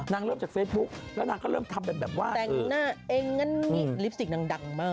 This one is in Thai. นางเลิกจะเป็นเฟซบุ๊กแล้วลิปสติกทำแบบงั้นดังเมาะ